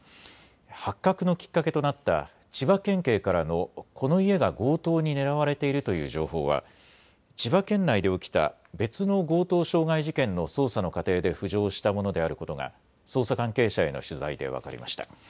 発覚のきっかけとなった千葉県警からのこの家が強盗に狙われているという情報は千葉県内で起きた別の強盗傷害事件の捜査の過程で浮上したものであることが捜査関係者への取材で分かりました。